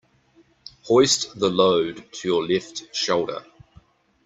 Hoist the load to your left shoulder.